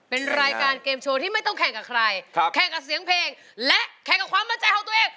เป็นรายการเกมโชว์ที่ไม่ต้องแข่งกับใครแข่งกับเสียงเพลงและแข่งกับความมั่นใจของตัวเอง